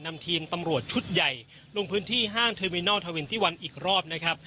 นำทีมตำรวจชุดใหญ่ลงพื้นที่ห้างเทอร์มินอลทวินตี้วันอีกรอบนะครับ